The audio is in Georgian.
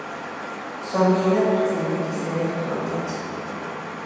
ზომიერად გრძელი კისერი ჰქონდათ.